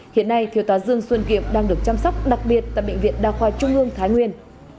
hiện nay thiếu tá dương xuân kiệm đang được chăm sóc đặc biệt tại bệnh viện đa khoa trung ương thái nguyên